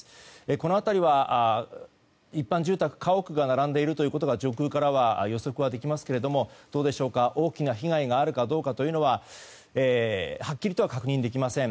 この辺りは一般住宅、家屋が並んでいるということが上空からは予測はできますが大きな被害があるかどうかははっきりとは確認できません。